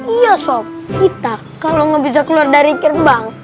iya sob kita kalo gak bisa keluar dari gerbang